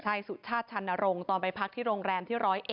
ใช่สุชาติชันนรงค์ตอนไปพักที่โรงแรมที่๑๐๑